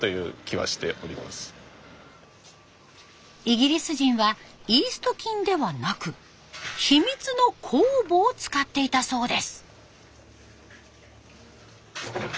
イギリス人はイースト菌ではなく「秘密の酵母」を使っていたそうです。